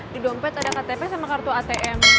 di dompet ada ktp sama kartu atm